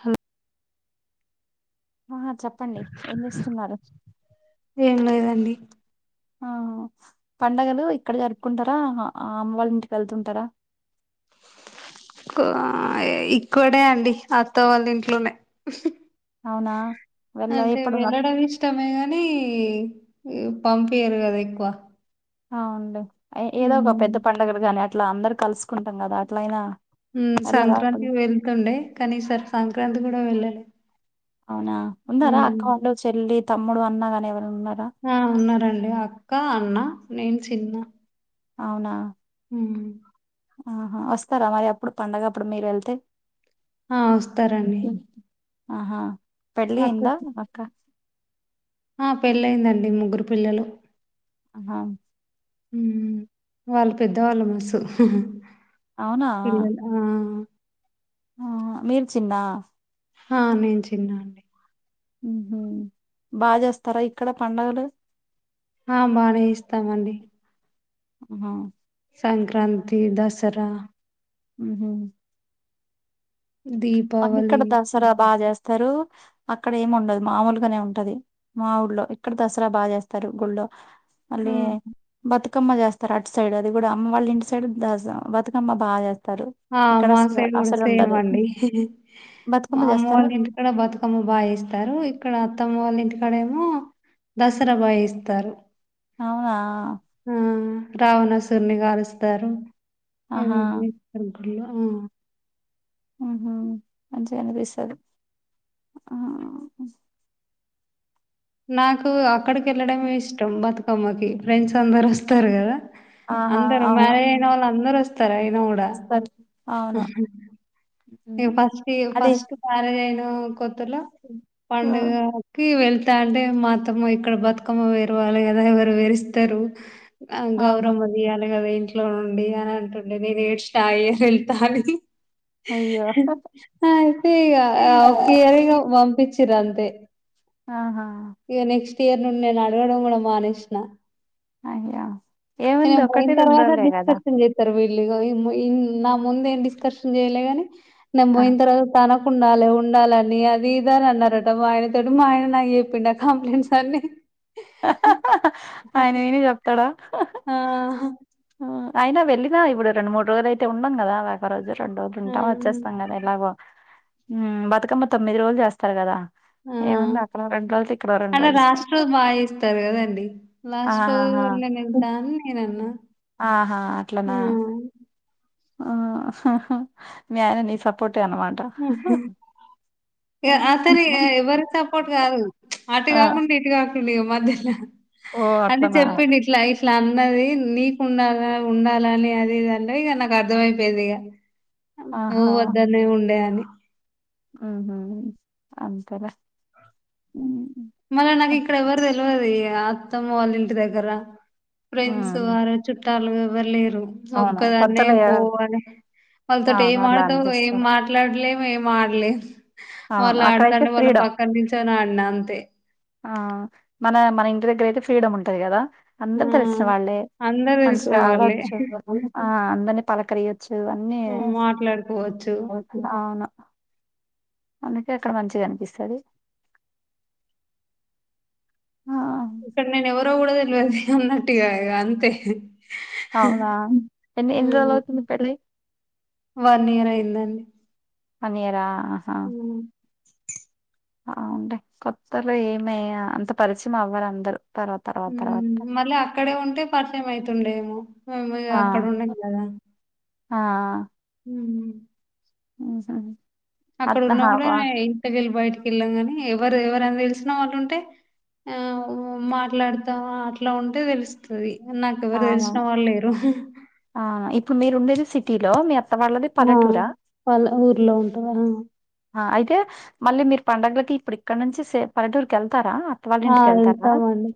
హా ఆహా చెప్పండి. ఎం చేస్తున్నరు? ఏం లేదండి. ఆహా పండగలు ఇక్కడ జరుపుకుంటరా ఆ అమ్మ వాళ్ళ ఇంటికి వెళ్తుంటరా. ఎక్కువా ఇక్కడే అండి అత్త వాళ్ళ ఇంట్లోనే. అవునా వెళ్ళ ఐతే ఎప్పుడు వెళ్ళడం ఇష్ ఇష్టమే గాని పంపీయరు కదా ఎక్కువ. అవున్లే ఏదో ఒక హ్మ్ పెద్ద పండుగలు గాని అట్లా అందరూ కలుసుకుంటాం కదా అట్లయినా. హ్మ్ వెళ్ళదా ఎప్పుడు సంక్రాంతి వెళ్తుండే, కానీ ఈ సారీ సంక్రాంతి కూడా వెళ్ళలే. అవునా ఉన్నరా అక్క హ్మ్ వాళ్ళు, చెల్లి, తమ్ముడు, అన్నగాని ఎవరన్నా ఉన్నరా. ఆ ఉన్నరండి అక్క, అన్న, నేను చిన్న. అవునా. హ్ ఆహా వస్తరా మరి అప్పుడు పండగప్పుడు మీరు ఎళ్తే. ఆ వస్తారండి ఆహా పెళ్ళి అయిందా అక్కకి అక్క. ఆ పెళ్ళయ్యింది అండి ముగ్గురు పిల్లలు. అహా వాళ్ళు పెద్దవాళ్ళ మనస్సు అవునా ఉను ఆ మీరు చిన్న హా నిను చిన్న అండి ఉహు బాగా చేస్తారా ఇక్కడ పండగలు ఆ బానే చేస్తామండి ఆహా సంక్రాంతి, దసరా ఉహు అవును దీపావళి ఇక్కడ దసరా బాగచేస్తారు అక్కడ ఏమి ఉండదు మామూలుగానే ఉంటది. మా ఊళ్ళో ఇక్కడ దసరా బాగచేస్తారు గుళ్ళో ఆ! మళ్ళీ బతుక్ బతుకమ్మ చేస్తారు అటు సైడ్ అది కూడా అమ్మ వాళ్ళింటి సైడ్ బతుకమ్మ బాగా చేత్తారు ఆ మా సైడ్ కూడా సేమ్ అండి మా బతుకమ్మ అమ్మ చేస్తారా వాళ్ళింటికి ఇక్కడ బతుకమ్మ బాగచేస్తారు ఇక్కడ అత్తమ్మ వాళ్ళ ఇంటికాడేమో దసరా బాగా చేస్తారు అవునా రావణాసురున్ని కాలుస్తారు ఆహా అహ మంచిగ అనిపిస్తాది ఆ నాకు అక్కడికి వెళ్ళడమే ఇష్టం బతుకమ్మకి ఫ్రెండ్స్ అందరు వస్తారు కదా ఆహా అందరు మ్యారేజ్ అయినోళ్ళు అందరు వస్తారు అయిన గూడా. వస్తారు అవును నేను ఫస్ట్ అది ఫస్ట్ మ్యారేజ్ అయిన కొత్తలో ఆ! పండగ కి వెళ్తా అంటే మాఅత్తమ్మ ఇక్కడ బతుకమ్మని పేరవాలి కదా ఎవరు పేరుస్తారు ఆ గౌరమ్మ ఆహా తీయాలి గదా ఇంట్లో నుండి అని అంటుండే నేను ఏడ్షినా లేదు వెళ్తా అని అయ్యో అయితే ఇగా ఒక ఇయర్ ఇగా పంపించిర్రు అంతే ఆహా ఇగా నెక్స్ట్ ఇయర్ నుండి నేను అడగడం కూడా మానేసిన అయ్యో ఇగా ఏముంది నేను ఒకటి పోయిన రెండు తర్వాత రోజులే కదా డిస్కషన్ చేయ్ వీళ్ళు ఇగ నా ముందు ఏం డిస్కర్షన్ చేయలే గాని నేను ఆ పోయిన తర్వాత తన ఉండాలే ఉండాలే అని అది ఇదా అని అన్నారట మా ఆయనతోటి మా ఆయన నాకు చెప్పిండు అ కంప్లైంట్స్ అన్ని ఆయన విని చెప్తాడా ఆ అయినా వెళ్ళినా ఇప్పుడు రెండు మూడు రోజులు అయితే ఉండాం కదా ఒక రోజు రెండు రోజులు ఆ ఉంటాం వచ్చేస్తాం కదా ఎలాగో మ్మ్ బతుకమ్మ తొమ్మిది రోజులు చేస్తారు కదా ఆ ఏముంది అక్కడొ రెండు రోజులు ఇక్కడొ రెండు అంటే రోజులు లాస్ట్ రోజు బాగా చేస్తారు కదండి లాస్ట్ రోజు ఆహా నేను వెళ్తా అని నేను అన్నా ఆహా అట్లనా ఆ హ హ మీ ఆయన నీ సపోర్టే అనమాట ఆ యాక్చువలీ ఎవరి సపోర్ట్ గాదు అటు ఆ కాకుండా ఇటు ఇటు కాకుండ ఇగా మధ్యలో ఓ అన్ని అట్లనా చెప్పిండు లైఫ్ లా అన్నది నీకు ఉండాల ఉండాల అని అది ఇది అంటే ఇగా నాకు అర్ధం అయిపోయేది ఇగా ఆహా పొవద్దు అనే ఉండే అని ఆహ అంతేలే మళ్ళా నాకు ఇక్కడ ఎవ్వరు తెలవది ఇగ అత్తమ్మ వాళ్ళ ఇంటి దగ్గర ఆ ఫ్రెండ్స్ వారు చుట్టాలు ఎవ్వరు లేరు అవునా ఒక్కదాన్నే కొత్తలో ఎవ- పోవాళ్ళి వాళ్ళ తోటి అవును అలా ఏంమాడతావు ఏం అనిపిస్తది అట్లాడలే మేము ఆడలేం వాళ్ళ అవును అక్కడైతే ఆడతాంటే వాళ్ళ ఫ్రీడమ్ పక్కన నుంచిని ఆడినా అంతే ఆ మన మన ఇంటి దగ్గర అయితే ఫ్రీడమ్ ఉంటది గదా ఆ అందరు తెలిసిన వాళ్ళే అందరు తెలిసిన మంచిగా వాళ్ళే. ఆడవచ్చు ఆ అందరిని పలకరియొచ్చు అన్నీ హ్మ్. మాట్లాడుకోవచ్చు. అవును అందుకే అక్కడ మంచిగా అనిపిస్తది ఆ ఇక్కడ నేను ఎవర్ ఎవరో గూడ తేలివదు అన్నటు గా ఇగా అంతే అవునా ఎన్ని రోజులు అవుతుంది పెళ్ళయి వన్ ఇయర్ అయిందండి వన్ ఇయర్ ఆహా మ్ అవునులే కొత్తలో ఏమయ్యా అంత పరిచయం అవ్వరు అందరూ మ్ మళ్ళీ అక్కడే ఉంటే పరిచయం అయితుండేమో మేము ఇగా అక్కడ ఉండం గదా ఆఆ ఉమ్ నీ స అక్కడ ఉన్న కూడా ఇంటికెళ్ళి బయటికి వెళ్ళాం కాని ఎవరు ఎవరైనా తెలిసినా వాళ్ళు ఉంటే ఆ మాట్లాడుతాం అట్లా ఉంటే తెలుస్ తది నాకెవరు అవును తెలిసిన వాళ్ళు లేరు ఆ ఇప్పుడు మీరు ఉండేది సిటీలో మీ అ ఆ పళ ఊర్లో ఉంటది అయితే మళ్ళీ మీరు పండుగలకి ఇప్పుడు ఇక్కడ నుంచి పల్లెటూరుకి వెళ్తారా వాళ్ళ ఆ! ఇంటికెళ్తారా వెళ్తామండి.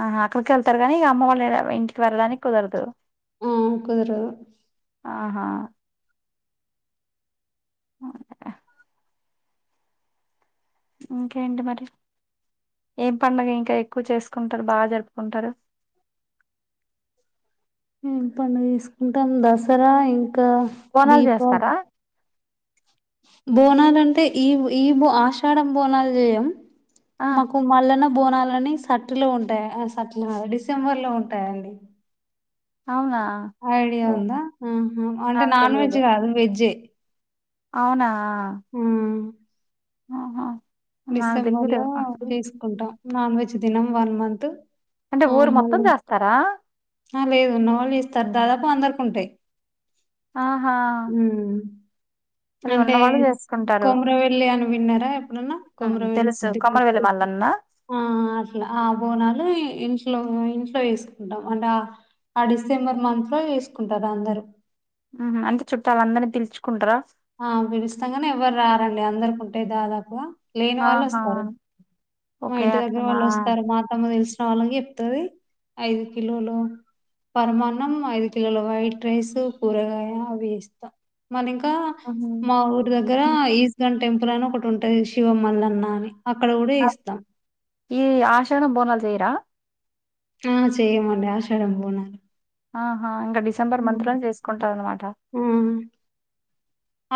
ఆ అక్కడికి వెళ్తారు గానీ ఇక అమ్మ వాళ్ళు ఇంటికి వెళ్దానికి కుదరదు ఆ కుదరదు ఆహా అ ఇంకేంటి మరి ఏం పండగ ఇంకా ఎక్కువ చేసుకుంటారు బాగా జరుపుకుంటారు ఏం పండుగ తీసుకుంటాం దసరా ఇంకా బోనాలు చేస్తారా బోనాలు అంటే ఈ ఈ ఆషాఢ బోనాలు చేయం ఆ మ కు మళ్ళన్న బోనాలని సట్లో ఉంటాయి ఆ సట్లద డిసెంబర్ లో ఉంటాయండి అవునా ఐడియా ఓ ఉందా అంటే నాకు నాన్ వెజ్ తెలియదు కాదు వెజ్జే అవునా ఆ ఆహా నాకు డిసెంబర్ తెలీదు లో చేసుకుంటాం నాన్ వెజ్ దినం వన్ మంత్ అంటే ఆ ఊరు మొత్తం మళ్ళీ చేస్తారా ఆ లేదున్నోవాళ్ళు ఇస్తారు దాదాపు అందరికింటాయి ఆహా అది అంటే ఉన్నవాళ్ళు చేసుకుంటారు కొమరవెల్లి అని విన్నారా ఎప్పుడన్నా ఉమ్, కొమరవెల్లి తెలుసు సిద్దిప కొమర వెల్లి మల్లన్న ఆ అట్లా ఆ బోనాలు ఇంట్లో ఇంట్లో వేసుకుంటాం అంటే ఆ డిసెంబర్ మంత్ లో చేసుకుంటారు అందరు ఆహా అంటే చుట్టాలు అందరినీ పిలుచుకుంటారా ఆ పిలుస్తాం గాని ఎవ్వరు రారండి అందరికింటే దాదాపుగా లేని వాళ్ళు ఆహా వస్తారు మా ఓకే ఇంటి దగ్గర అట్లనా వాళ్ళు వస్తారు మా తమ్ము తెలిసిన వాళ్ళకి చెప్తది ఐదు కిలోలు పరమాన్నం ఐదు కిలోల వైట్ రైస్ కూరగాయ అవి ఇస్తాం మది ఇంకా ఉహు మా ఊరు దగ్గర ఈస్గన్ టెంపుల్ అని ఒకటి ఉంటది శివమల్లన్న అని అక్కడ కూడా ఇస్తాం ఈ ఆషాడం బోనాల్ చేయరా ఆ చెయ్యమండి ఆషాడం బోనాలు ఆహా ఇంకా డిసెంబర్ మంత్ హ్మ్. లోనే చేసుకుంటారు అన్నమాట ఆ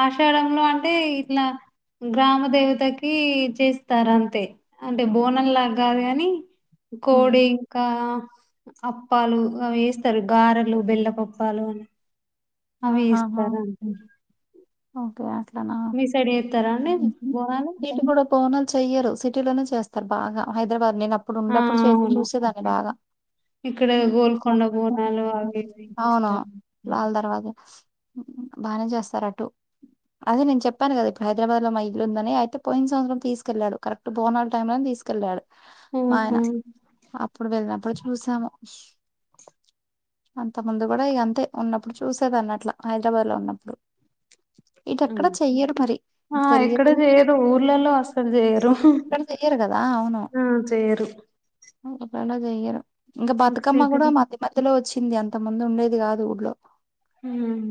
ఆషాడంలో అంటే ఇట్ల గ్రామ దేవతకి చేస్తారు అంతే అంటే బోనం లా కాదు కాని కోడి ఇంకా అప్పాలు అ వేస్తారు గారలు బెల్లపప్పాలు అని అవి ఆహాహ వేస్తారు అంతే ఒకే అట్ ఆ మీ సైడ్ చేస్తారా అండి బోనాలు [inaudible] పోనాలు చెయ్యరు సిటీలోనే చేస్తారు బాగా హైదరాబాద్ నిన్న అప్పుడు ఆ ఉండప్పుడు చేసి అవును చూసేదాన్ని బాగా ఇక్కడ [inaudible] గోల్కొండ బోనాలు అవి ఇవి అవునా ఇస్తారు రాల దరవాజ బానే చేస్తారు అటు అదే నేను చెప్పాను కదా ఇప్పుడు హైదరాబాద్ లో మా ఇల్లుందని అయితే పోయిన సంవత్సం తీసుకెళ్లాడు కరెట్ క్ట్ బోనాల్ టైమ్ లో నే తీసుకెళ్ళాడు మా ఆయన ఆహా అప్పుడు వెళ్ళినప్పుడు చూసాము అంత ముందు కూడా ఇగ అంతే ఉన్నప్పుడు చూసేదాన్ని అట్లా హైదరాబాద్ లో ఉన్నప్పుడు ఇటు ఎక్కడ మ్మ్ చెయ్యరు మరి ఆ ఎక్కడ తెలియదు చేయరు ఊర్లల్లో అసలు చేయరు మొత్తం చెయ్యరు కదా అవును ఆ చేయరు ఊర్లల్లో చెయ్యరు ఇంగ బతుకమ్మ సిటీ కూడా మధ్య మధ్యలో వచ్చింది అంత ముందు ఉండేది కాదు ఊర్లో మ్మ్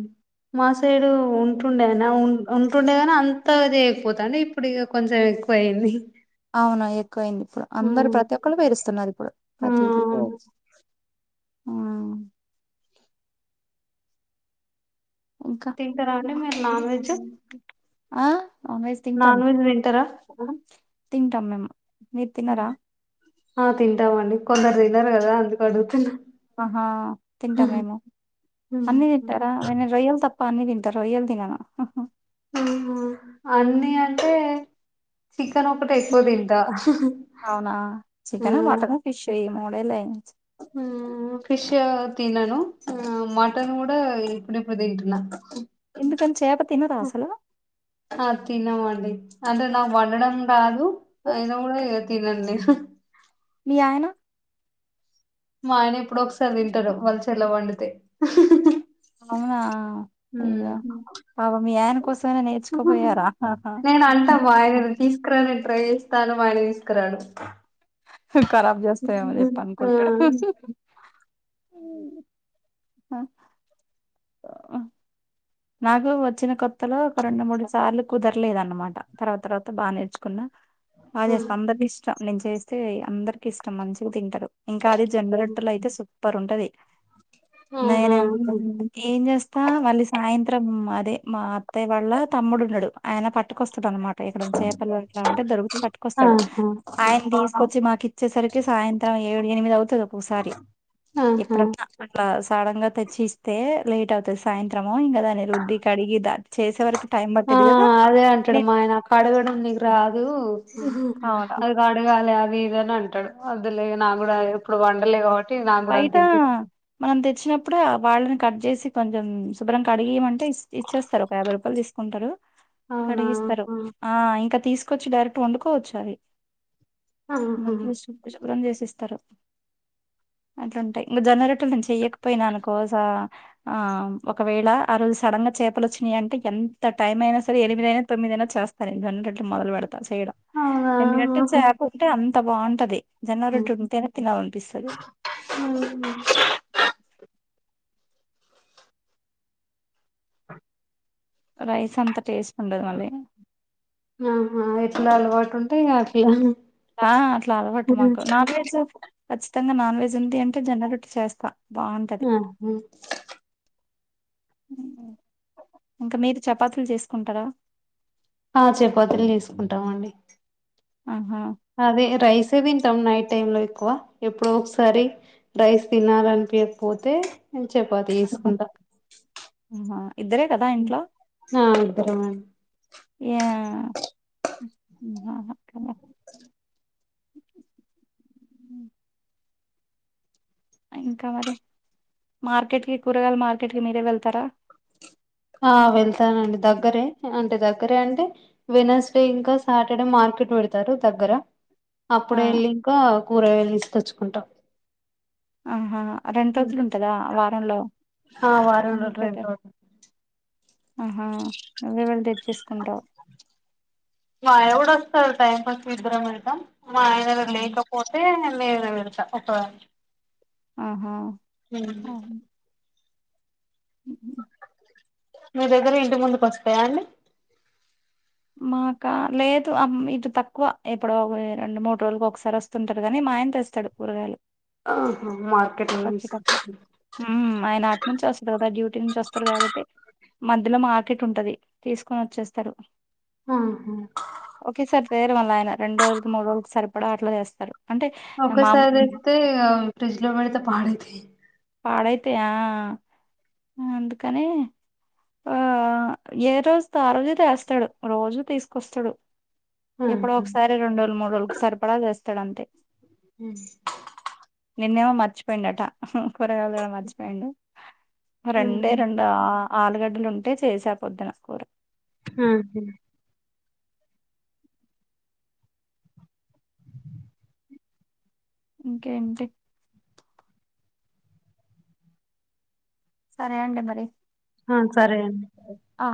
మా సైడు ఉంటుండేనా ఉ ఉంటుండేగానీ అంతగా చేయక పోతాండే ఇప్ ప్పుడిగా కొంచెం ఎక్కువ అయ్యింది అవున ఎక్కువయింది ఇప్పుడు అందరు ప్రతి ఒక్కరు పేరుస్తున్నారు ఇప్పుడు ఆ ప్రతిది అవును ఆ ఇంకా తింటారా అండి మీరు నాన్ వెజ్ ఆ నాన్వేజ్ నాన్ తింటాను వెజ్ తింటారా ఆ తింటం మేము మీరు తిన్నారా ఆ తింటామండి కొందరు తినరు కదా అందుకు అడుగుతున్నా ఆహా తింటా మేము అన్ని తింటారా నేను రొయ్యలు తప్ అన్ని తింట రొయ్యలు తినను హ్మ్ హు అన్ని అంటే చికెన్ ఒకటె ఎక్కువ తింటా మ్మ్ ష్ అయ్యి మూడేళ్ళయింది మ్మ్ ఫిష్ ఆ తినను ఆ మటన్ కూడా ఇప్పుడు ఇప్పుడు తింటున్నా ఎందుకని చేప తినరా ఆ అసలు ఆ తినమండి అదే నా వండడం రాదు అయిన కూడ నేను తినను లే మీ ఆయన మా ఆయన ఎప్పుడు ఒకసారి తింటారు వాళ్ళ చెల్లె వండితే అవునా అయ్యా హ్మ్. పాపం మీ ఆయన కోసమైనా నేర్చుకోపోయారా హాహా నేను అంటా మా ఆయనని తీసుకురానికి ట్రై చేస్తాను మా ఆయన తీసుకరారు హుమ్ ఖరాబ్ చేస్తాయేమో చెప్పి ఆ అనుకుంటాడు [unintelligible] నాకు వచ్చిన కొత్తలో ఒక రెండు మూడు సార్లు కుదరలేదు అన్నమాట తర్వాత తర్వాత బా నేర్చుకున్నా బా ఆ! చేస్త అందరి చ నేను చేస్తే అందరికి ఇష్టం మంచిగ తింటారు ఇంకా అది జొన్నారోట్టెలైతే సుప్ పర్ ఉంటది అవునా నేనెం ఏం చేస్తా మళ్ళీ సాయంత్రం అదే మా అత్తయ్య వాళ్ళ తమ్ముడు ఉన్నాడు ఆయన పట్టుకొస్తాడు అన్ మాట ఎక్కడన్నా చేపలు అట్లా ఉంటే దొరికితే పట్టుకొస్తాడు ఆహా ఆయన తీసుకొచ్చి మాకిచ్చేసరికి తే సాయంత్రం ఏడు ఎనిమిది అవుతది ఒక్కోసారి ఆహా ఎప్పుడన్నా అట్లా సడన్ గా తెచ్చి ఇస్తే లేట్ అవుతది సాయంత్రము ఇంకా దాన్ని నె రుద్ది కడిగి ఆది చేసే వరకు టైం ఆ పట్టిది కదా అదే అంటాడు [unintelligible] ఉహుమ్ అవునా అదిగో అడగాలి అది ఇదని అంటాడు వదులే నా కూడా ఎప్పుడు వండలే కాబట్టి నాకు కూడా అంత బయటా ఇంట్రెస్ట్ మనం తెచ్చినప్పుడె వాళ్ళనె కట్ చేసి కొంచెం శుభ్రంగా కడిగియమంటే ఇస్ ఇచ్చేస్తారు ఒక యాభై రూపాయలు తీస్ ఉంటరు అవునా కడిగిస్తారు ఆ ఇంకా తీసుకొచ్చి డైరెక్ట్ వండుకోవచ్చు అవి ఆహా మంచిగ శుభ్ర శుభ్రం చేసిస్తరు అట్లుంటయి ఇంక జొన్న రెట్లు నేను చెయ్యకపోయినా అనుకో స ఆ ఒకవేళ ఆ రోజు సడన్ గా చేపలు వచ్చినయి అంటే ఎంత టైమ్ అయినా సరే ఎనిమిదయినా తొమ్మిధైనా చేస్త సరే జొన్నరోట్లు మొదలు పెడతా చేయడం అవునా ఎందుకంటే చేప ఉంటే అంత బాగుంటది జొన్నారోట్టే ఉంటేనే తినాలనిపిస్తది హమ్ రైస్ అంత టేస్ట్ ఉండదు మళ్ళీ ఆహా ఎట్లా అలవాటు ఉంటె ఇక అట్లా ఆ అట్లా అలవాటు మాకు నాన్ వెెజ్ ఖచ్చితంగా నాన్ వెెజ్ ఉంటె అంటే జొన్న రొట్టె చేస్తా బావుంటది ఇంక మీరు చపాతీలు చేసుకుంటరా ఆ చపాతీలు తీసుకుంటా మండి ఆహా అదే రైసే తింటాం నైట్ టైం లో ఎక్కువ ఎప్పుడో ఒకసారి రైస్ తినాలనిపియక పోతే నేన్ చపాతీ తీసుకుంటా ఆహా ఇద్దరే కదా ఇంట్లో ఆ ఇద్దరమే యా [inaudible] ఇంక మరి మార్కెట్ కి కూరగాయల మార్కెట్ కి మీరే వెళ్తారా ఆ వెళ్తానండి దగ్గరే అంటే దగ్గరే అంటే వెనస్డే ఇంకా సాటర్డే మార్కెట్ పెడతారు దగ్గర ఆ అప్పుడే వెళ్ళి ఇంకా కూరగాయలు తీసుకొచ్చుకుంటాం ఆహా రెండు రోజులు ఉంటందా వారంలో ఆ వారంలో మార్కెట్ రెండు రోజులు ఆహా నువ్వే వెళ్ళి తెచ్చేసుకుంటావ్ మా ఆయన కూడా వస్తాడు టైపాస్కి ఇద్దరం వెల్తాం మా అయన కూడ లేక పోతే నేనె వెడతా ఒకదా ఆహా [unintelligible] ఆహా! మీ దగ్గర ఇంటి ముందుకొస్తాయా అండి మాకా లేదు అం ఇటు తక్కువ ఎప్పుడో వె రెండు మూడు రోజులుకి ఒకసారి ఒస్తుంటది గని మా ఆయన్ తెస్తడు కూరగాలు ఆహా మార్కెట్ని తీసుకొ ఉమ్మ్మ్ ఆయన అట్ నుంచి ఒస్తడు గదా డ్యూటీ నుంచి ఒస్తారు కావట్టి మధ్యలో మార్కెట్ ఉంటది తీసుకొన్ ఒచ్చేస్తరు ఆ హా ఒకేసార్ తేరు మళ్ళయన రెండ్ రోజులకి మూడు రోజుల్ సరిపడా అట్లా చేస్తారు అంటే మా ఒకసార్ తెస్తే ఇగా ఫ్రిడ్జ్ లో పెడితే పాడైతయ్ పాడైతయా అ అందుకనె ఆ ఆ ఏ రోజుతో ఆ రోజు తేస్తాడు రోజు తీసుకొస్తడు ఎప్పుడో ఆహా ఒకసారి రెండ్రోజులు మూడ్రోజుకు సరిపడా తేస్తాడంతే ఉ నిన్నేవో మర్చిపోయిండటా అహ్ కూరగాల్ తేవ మర్చిపోయిండు రెండే రెండు ఆ ఆలుగడ్డలుంటే చేసా పొద్దున కూర ఆ హ ఇంకేంటి సరే అండి మరి ఆ సరే అన్ అ